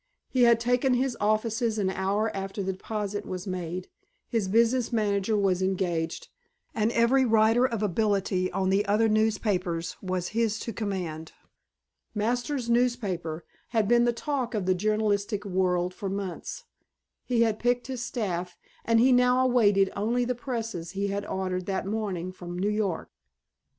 He had taken his offices an hour after the deposit was made; his business manager was engaged, and every writer of ability on the other newspapers was his to command. "Masters' Newspaper" had been the talk of the journalistic world for months. He had picked his staff and he now awaited only the presses he had ordered that morning from New York.